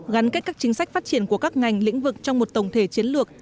gắn kết các chính sách phát triển của các ngành lĩnh vực trong một tổng thể chiến lược